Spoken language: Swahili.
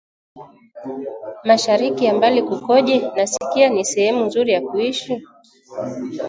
“mashariki ya mbali kukoje? Nasikia ni sehemu nzuri ya kuishi?”